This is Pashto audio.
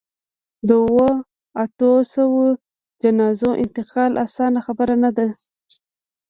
د اوو، اتو سووو جنازو انتقال اسانه خبره نه ده.